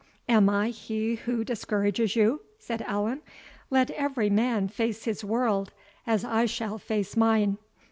"Am I he who discourages you?" said Allan; "let every man face his world as I shall face mine.